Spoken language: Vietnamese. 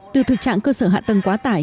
từ thực trạng cơ sở hạ tầng quá tải